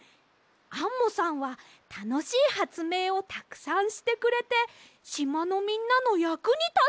アンモさんはたのしいはつめいをたくさんしてくれてしまのみんなのやくにたっています！